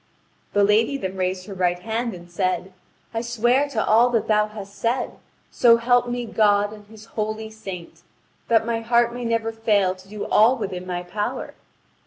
The lady then raised her right hand and said: "I swear to all that thou hast said, so help me God and His holy saint, that my heart may never fail to do all within my power.